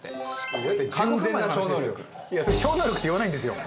いやそれ超能力って言わないんですよ。